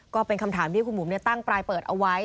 ก็เป็นคำถามที่คุณบุ๋มตั้งปลายเปิดเอาไว้